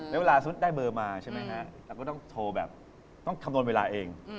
แล้วเวลาได้เบอร์มาเราก็ต้องโทรแบบต้องคำนวณเวลาเอง